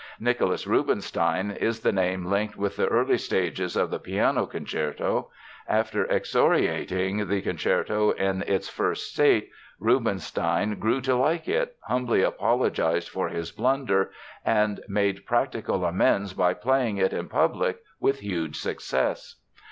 Nicholas Rubinstein is the name linked with the early stages of the piano concerto. After excoriating the concerto in its first state, Rubinstein grew to like it, humbly apologized for his blunder, and made practical amends by playing it in public with huge success.